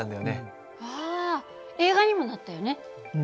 あ映画にもなったよね。